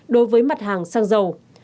đối với mặt hàng sang giàu